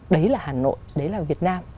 đấy là hà nội đấy là việt nam